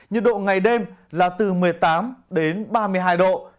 nhiệt độ ngày đêm là từ một mươi tám đến ba mươi hai độ